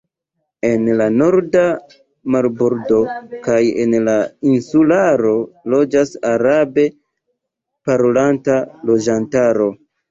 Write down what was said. En la norda marbordo kaj en la insularo loĝas arabe parolanta loĝantaro.